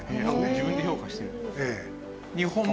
自分で評価してる。